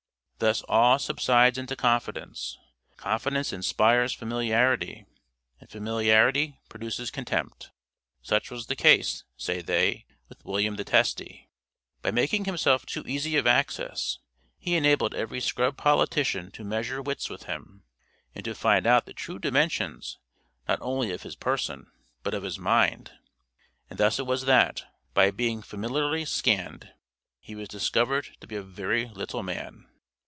Thus awe subsides into confidence, confidence inspires familiarity, and familiarity produces contempt. Such was the case, say they, with William the Testy. By making himself too easy of access, he enabled every scrub politician to measure wits with him, and to find out the true dimensions not only of his person, but of his mind; and thus it was that, by being familiarly scanned, he was discovered to be a very little man.